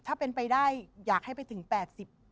ถ้าเป็นไปได้อยากให้ไปถึง๘๐บาท